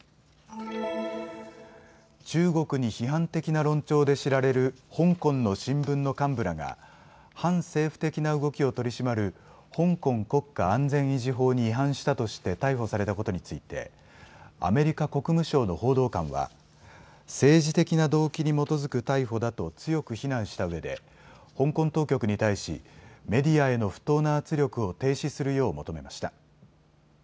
中国に批判的な論調で知られる香港の新聞の幹部らが反政府的な動きを取り締まる香港国家安全維持法に違反したとして逮捕されたことについてアメリカ国務省の報道官は政治的な動機に基づく逮捕だと強く非難したうえで香港当局に対しメディアへの不当な圧力を停止するよう求めました。